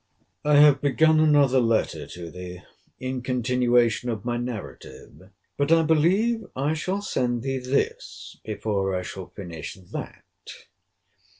I have begun another letter to thee, in continuation of my narrative: but I believe I shall send thee this before I shall finish that.